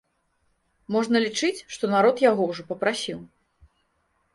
Можна лічыць, што народ яго ўжо папрасіў.